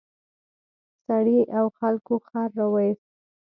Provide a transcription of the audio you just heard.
سړي او خلکو خر راوویست.